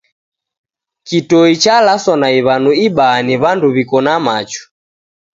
Kitoi cha laswa na iwanu ibaa ni wandu wiko na machu